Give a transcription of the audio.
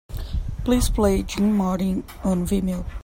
Please play Jim Martin on Vimeo.